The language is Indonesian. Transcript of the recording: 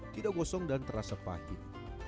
tidak gosong dan terasa pahit